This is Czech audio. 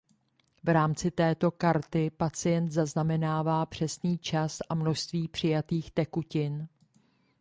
V rámci této karty pacient zaznamenává přesný čas a množství přijatých tekutin.